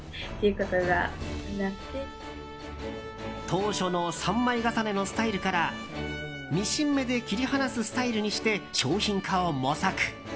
当初の３枚重ねのスタイルからミシン目で切り離すスタイルにして商品化を模索。